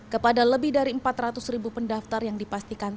kepada lebih dari empat ratus ribu pendaftar yang dipastikan